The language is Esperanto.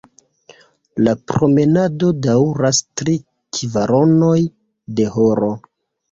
La promenado daŭras tri kvaronoj de horo.